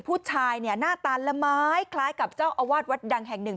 ผู้ชายเนี่ยหน้าตาละไม้คล้ายกับเจ้าอาวาสวัดดังแห่งหนึ่ง